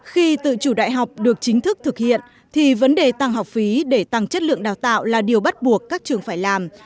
khi tự chủ đại học được chính thức thực hiện thì vấn đề tăng học phí để tăng chất lượng đào tạo là điều bắt buộc các trường phải làm